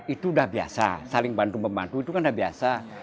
itu udah biasa saling bantu membantu itu kan sudah biasa